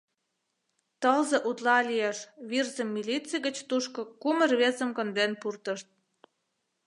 Тылзе утла лиеш, Вӱрзым милиций гыч тушко кум рвезым конден пуртышт.